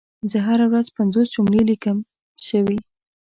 زه هره ورځ پنځوس جملي ليکم شوي